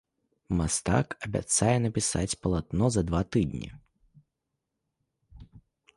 Мастак абяцае напісаць палатно за два тыдні.